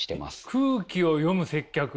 空気を読む接客って。